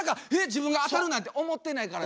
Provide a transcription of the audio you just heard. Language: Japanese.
自分があたるなんて思ってないからな。